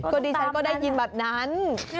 ก็ดิฉันก็ได้ยินแบบนั้น